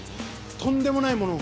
とんでもないものを。